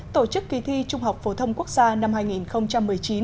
tổ chức kỳ thi trung học phổ thông quốc gia năm hai nghìn một mươi chín